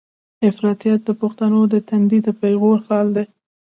افراطيت د پښتنو د تندي د پېغور خال دی.